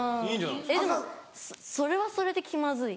えっでもそれはそれで気まずい。